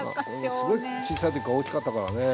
すごい小さい時から大きかったからね。